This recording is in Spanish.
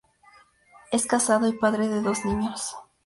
Es casado y padre de dos niños.